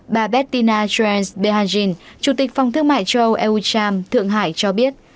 bà bettina jrens behanjin chủ tịch phòng thương mại châu âu eu cham thượng hải cho biết